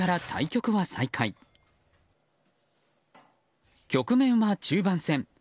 局面は中盤戦。